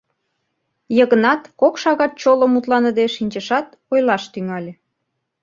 Йыгнат кок шагат чоло мутланыде шинчышат, ойлаш тӱҥале: